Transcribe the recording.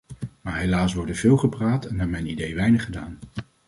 Maar helaas wordt er veel gepraat en naar mijn idee weinig gedaan.